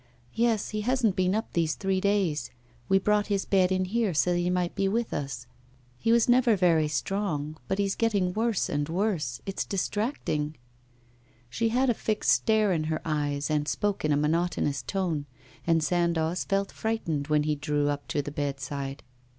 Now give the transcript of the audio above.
'Yes, he hasn't been up these three days. We brought his bed in here so that he might be with us. He was never very strong. But he is getting worse and worse, it's distracting.' She had a fixed stare in her eyes and spoke in a monotonous tone, and Sandoz felt frightened when he drew up to the bedside.